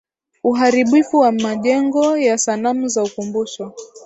uharibifu wa majengo na sanamu za ukumbusho